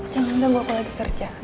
jangan banteng gue lagi kerja